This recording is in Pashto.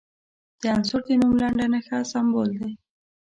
د عنصر د نوم لنډه نښه سمبول دی.